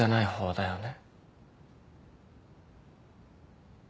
だよね。